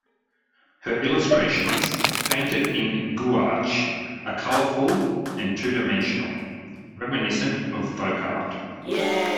Her illustrations, painted in gouache, are colorful and two-dimensional, reminiscent of folk art.